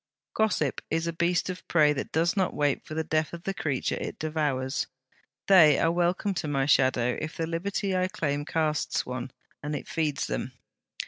'Gossip is a beast of prey that does not wait for the death of the creature it devours. They are welcome to my shadow, if the liberty I claim casts one, and it feeds them.'